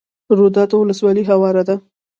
روداتو ولسوالۍ هواره ده؟